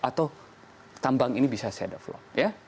atau tambang ini bisa saya develop